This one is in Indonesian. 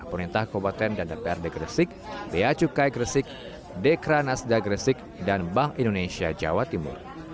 pernintah kabupaten dan dprd gresik beacukai gresik dekranasda gresik dan bank indonesia jawa timur